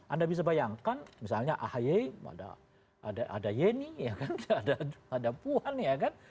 anda bisa bayangkan misalnya ah yei ada yeni ada puhan ya kan